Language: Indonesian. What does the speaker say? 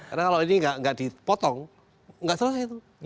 karena kalau ini enggak dipotong enggak selesai itu